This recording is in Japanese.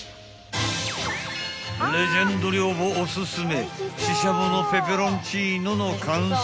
［レジェンド寮母おすすめししゃものペペロンチーノの完成］